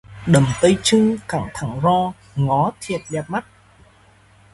Đầm Tây chưn cẳng thẳng ro, ngó thiệt đẹp mắt